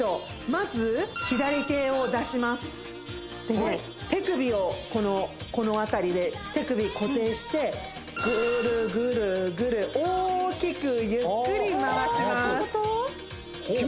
まず左手を出しますで手首をこの辺りで手首固定してグルグルグル大きくゆっくり回します